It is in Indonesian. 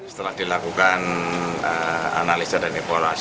setelah dilakukan analisa dan evaluasi